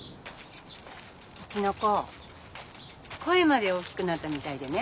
うちの子声まで大きくなったみたいでね。